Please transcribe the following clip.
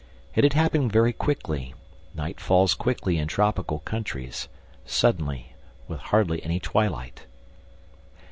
It had happened very quickly: night falls quickly in tropical countries ... suddenly, with hardly any twilight.